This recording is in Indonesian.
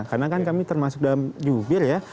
karena kan kami termasuk dalam jubir ya